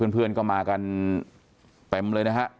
เพื่อนก็มากันเป็น